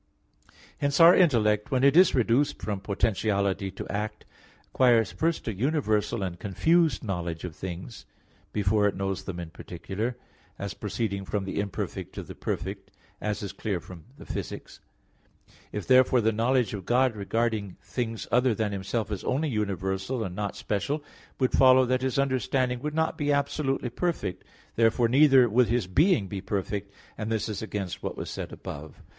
Hence our intellect, when it is reduced from potentiality to act, acquires first a universal and confused knowledge of things, before it knows them in particular; as proceeding from the imperfect to the perfect, as is clear from Phys. i. If therefore the knowledge of God regarding things other than Himself is only universal and not special, it would follow that His understanding would not be absolutely perfect; therefore neither would His being be perfect; and this is against what was said above (Q.